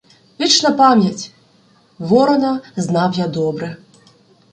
— Вічна пам'ять! Ворона знав я добре.